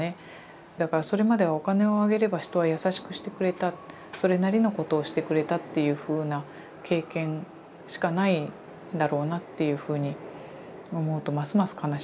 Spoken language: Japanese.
だからそれまではお金をあげれば人は優しくしてくれたそれなりのことをしてくれたっていうふうな経験しかないんだろうなっていうふうに思うとますます悲しいんですけれど。